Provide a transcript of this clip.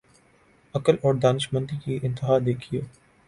عقل اور دانشمندی کی انتہا دیکھیے۔